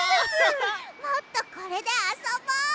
もっとこれであそぼう！